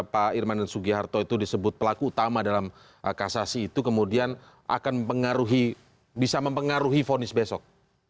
pak irman dan sugiharto itu disebut pelaku utama dalam kasasi itu kemudian akan bisa mempengaruhi fonis besok